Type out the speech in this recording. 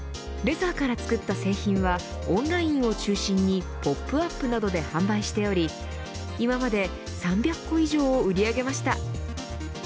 レザーから作った製品はオンラインを中心にホップアップなどで販売しており今まで３００個以上を売り上げました。